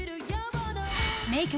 名曲